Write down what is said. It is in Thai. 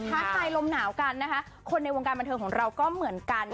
ท้าทายลมหนาวกันนะคะคนในวงการบันเทิงของเราก็เหมือนกัน